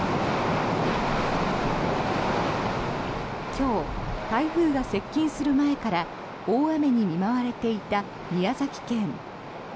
今日、台風が接近する前から大雨に見舞われていた宮崎県。